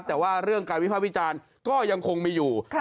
แต่ว่าเรื่องการวิภาควิจารณ์ก็ยังคงมีอยู่